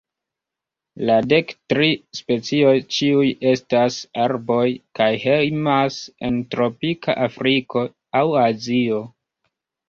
La dek tri specioj ĉiuj estas arboj, kaj hejmas en tropika Afriko aŭ Azio.